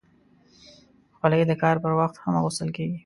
خولۍ د کار پر وخت هم اغوستل کېږي.